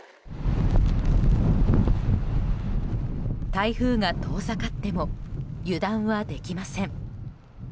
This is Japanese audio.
台風が遠ざかっても油断はできません。